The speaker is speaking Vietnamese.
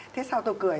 thế sao tôi cười